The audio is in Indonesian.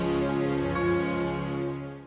jangan lupa like share dan subscribe